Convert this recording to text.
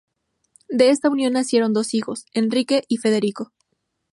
De esta unión nacieron dos hijos: Enrique y Federico.